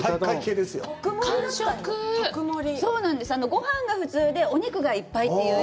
ごはんが普通で、お肉がいっぱいという